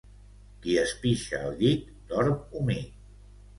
Qui es pixa al llit dorm humit